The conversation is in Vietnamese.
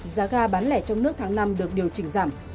giá ga bán lẻ trong nước tháng năm được điều chỉnh giảm